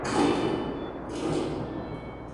No tenemos esa clase de relación.